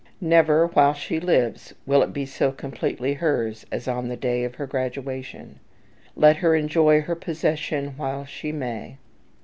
Never, while she lives, will it be so completely hers as on the day of her graduation. Let her enjoy her possession while she may.